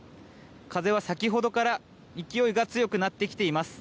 風は先ほどから勢いが強くなってきています。